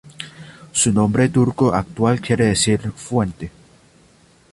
Su nombre turco actual quiere decir "fuente".